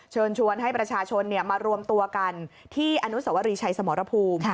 เชิญชวนให้ประชาชนมารวมตัวกันที่อนุสวรีชัยสมรภูมิ